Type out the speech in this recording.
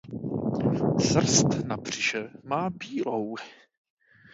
Srst na břiše má bílou.